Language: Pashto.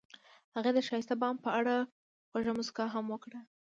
هغې د ښایسته بام په اړه خوږه موسکا هم وکړه.